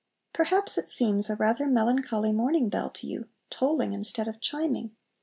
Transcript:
Perhaps it seems a rather melancholy "morning bell" to you, tolling instead of chiming!